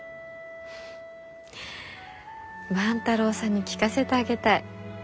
万太郎さんに聞かせてあげたい。